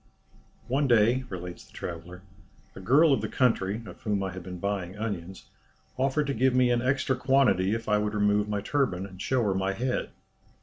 "One day," relates the traveller, "a girl of the country, of whom I had been buying onions, offered to give me an extra quantity if I would remove my turban, and show her my head.